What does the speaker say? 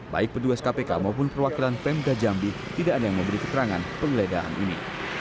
baik petugas kpk maupun perwakilan pemda jambi tidak ada yang memberi keterangan penggeledahan ini